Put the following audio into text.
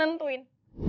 lo yang nentuin